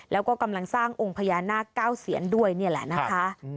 แล้วก็กำลังสร้างองค์พญานาคเก้าเซียนด้วยนี่แหละนะคะ